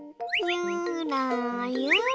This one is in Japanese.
ゆらゆら。